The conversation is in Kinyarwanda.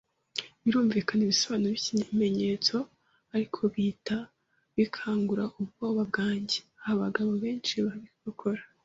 birumvikana, ibisobanuro byikimenyetso, ariko bihita bikangura ubwoba bwanjye. Abagabo benshi babikora